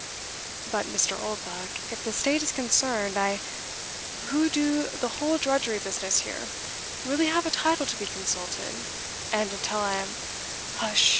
"But, Mr. Oldbuck, if the state is concerned, I, who do the whole drudgery business here, really have a title to be consulted, and until I am" "Hush!